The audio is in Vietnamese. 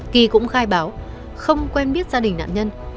kỳ cũng khai báo không quen biết gia đình nạn nhân